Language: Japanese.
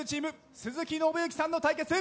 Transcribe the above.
鈴木伸之さんの対決。